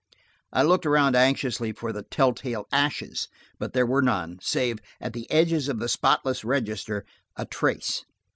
I looked around anxiously for the telltale ashes, but there was none, save, at the edge of the spotless register, a trace.